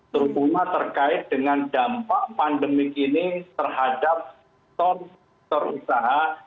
terutama terkait dengan dampak pandemik ini terhadap sektor usaha